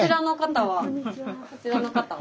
こちらの方は？